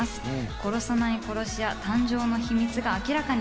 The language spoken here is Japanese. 殺さない殺し屋誕生の秘密が明らかに。